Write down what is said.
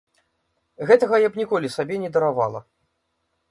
Гэтага я б ніколі сабе не даравала.